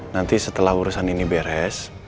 nanti setelah urusan ini beres